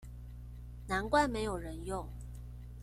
難怪沒有人用